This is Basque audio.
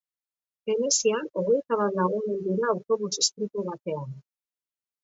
Venezian hogeita bat lagun hil dira autobus istripu batean.